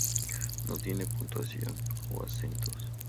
No tiene puntuación o acentos.